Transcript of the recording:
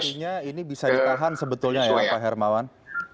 artinya ini bisa ditahan sebetulnya ya pak hermawan